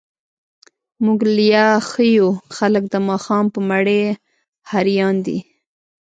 موږ ليا ښه يو، خلګ د ماښام په مړۍ هريان دي.